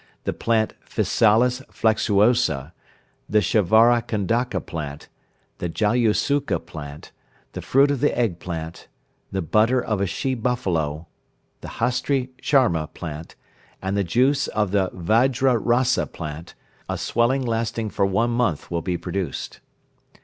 the plant physalis flexuosa, the shavara kandaka plant, the jalasuka plant, the fruit of the egg plant, the butter of a she buffalo, the hastri charma plant, and the juice of the vajra rasa plant, a swelling lasting for one month will be produced.